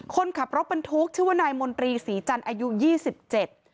คนขับรถบรรทุกชื่อว่านายมนตรีศรีจันทร์อายุยี่สิบเจ็ด